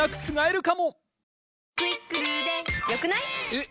えっ！